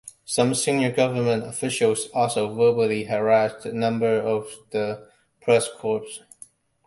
Some senior government officials also verbally harassed members of the press corps.